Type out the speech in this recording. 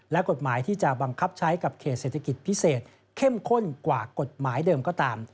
และกฎหมายที่จะบังคับใช้กับเขตเศรษฐกิจพิเศษเข้มข้นกว่ากฎหมายเดิมก็ตาม